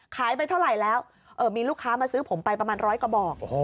ไปเท่าไหร่แล้วมีลูกค้ามาซื้อผมไปประมาณร้อยกระบอก